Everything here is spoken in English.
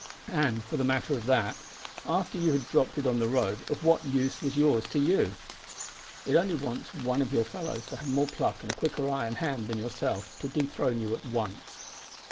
And, for the matter of that, after you had dropped it on the road of what use was yours to you? It only wants one of your fellows to have more pluck and a quicker eye and hand than yourself to dethrone you at once."